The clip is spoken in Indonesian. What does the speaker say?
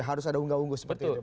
harus ada unggah ungguh seperti itu